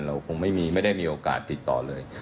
เราคงไม่ได้มีโอกาสติดต่อเลย